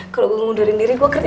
kalau ngundurin diri gua kerja